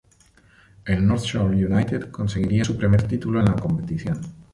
El North Shore United conseguiría su primer título en la competición.